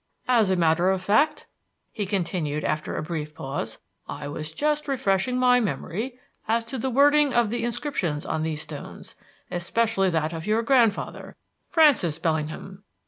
As a matter of fact," he continued, after a brief pause, "I was just refreshing my memory as to the wording of the inscriptions on these stones, especially that of your grandfather, Francis Bellingham.